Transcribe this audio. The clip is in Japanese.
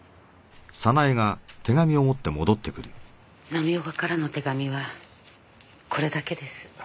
浪岡からの手紙はこれだけです。